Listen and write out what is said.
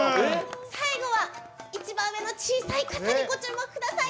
最後は、一番上の小さい傘にご注目ください。